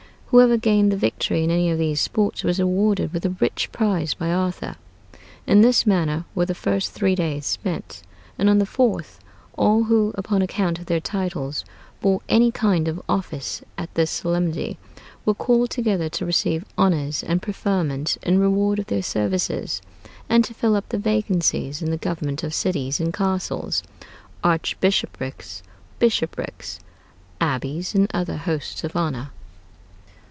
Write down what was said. Whoever gained the victory in any of these sports was awarded with a rich prize by Arthur. In this manner were the first three days spent; and on the fourth, all who, upon account of their titles, bore any kind of office at this solemnity, were called together to receive honors and preferments in reward of their services, and to fill up the vacancies in the governments of cities and castles, archbishoprics, bishoprics, abbeys, and other hosts of honor.